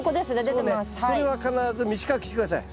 それは必ず短く切って下さい。